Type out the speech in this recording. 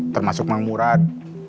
termasuk mang murad